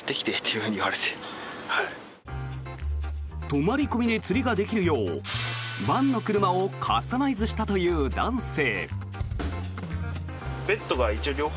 泊まり込みで釣りができるようバンの車をカスタマイズしたという男性。